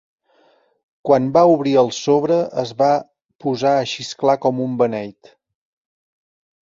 Quan va obrir el sobre es va posar a xisclar com un beneit.